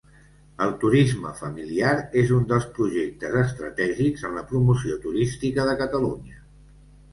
El turisme familiar és un dels projectes estratègics en la promoció turística de Catalunya.